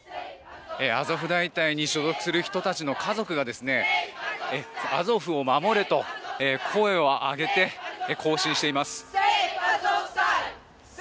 アゾフ大隊に所属する人たちの家族がアゾフを守れと声を上げて行進しています。